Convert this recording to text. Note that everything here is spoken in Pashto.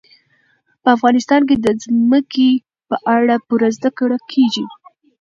په افغانستان کې د ځمکه په اړه پوره زده کړه کېږي.